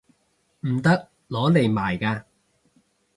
唔得！攞嚟賣㗎